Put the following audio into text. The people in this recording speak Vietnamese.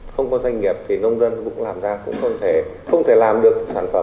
không có doanh nghiệp thì nông dân cũng làm ra cũng không thể làm được sản phẩm